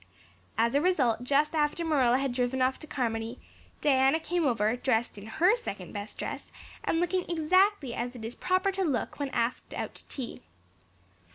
As a result just after Marilla had driven off to Carmody, Diana came over, dressed in her second best dress and looking exactly as it is proper to look when asked out to tea.